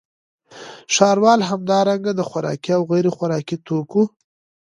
ښاروال همدارنګه د خوراکي او غیرخوراکي توکو